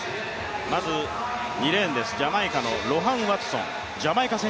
まず２レーンです、ジャマイカのロハン・ワトソン。